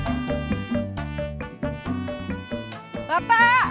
kalian cepet banget sih gangguin saya